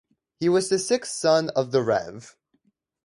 He was the sixth son of the Rev.